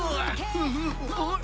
あれ？